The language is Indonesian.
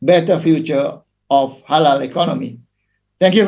untuk masa depan halal ekonomi yang lebih baik